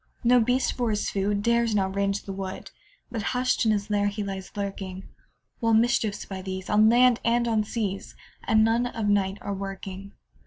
No beast, for his food, Dares now range the wood, But hush'd in his lair he lies lurking; While mischiefs, by these, On land and on seas, At noon of night are a working.